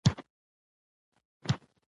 بيـخي ده رانـه وركه مــكتبۍ بــلا وهــلې.